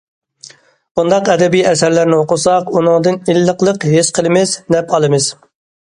بۇنداق ئەدەبىي ئەسەرلەرنى ئوقۇساق، ئۇنىڭدىن ئىللىقلىق ھېس قىلىمىز، نەپ ئالىمىز.